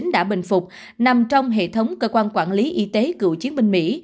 đã bình phục nằm trong hệ thống cơ quan quản lý y tế cựu chiến binh mỹ